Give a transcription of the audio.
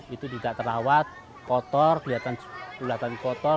itu tidak terawat kotor kelihatan ulatan kotor